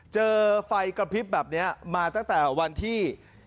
เจอไฟกระพริบแบบนี้มาตั้งแต่วันที่